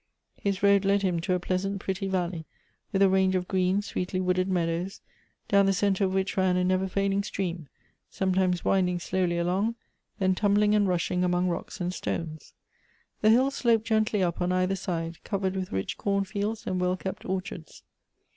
His road led him to a pleasant, ])rctty valley, with a range of green, sweetly wooded meadows, down the centre of which ran a never failing stream, sometimes winding slowly along, then tumbling and rushing among rocks and stones. The hills sloped gently up on either side, covered with rich corn fields and well kept orchards.